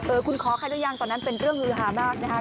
เออคุณขอค่าได้ยังตอนนั้นเป็นเรื่องฮือหามากนะคะ